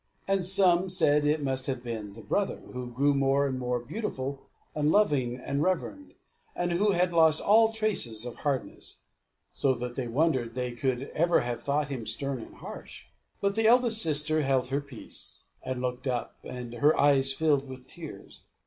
And some said it must have been the brother, who grew more and more beautiful, and loving, and reverend, and who had lost all traces of hardness, so that they wondered they could ever have thought him stern and harsh. But the eldest sister held her peace, and looked up, and her eyes filled with tears.